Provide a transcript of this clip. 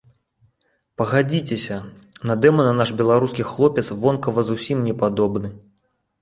Пагадзіцеся, на дэмана наш беларускі хлопец вонкава зусім не падобны.